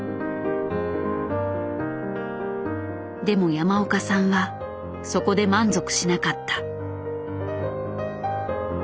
でも山岡さんはそこで満足しなかった。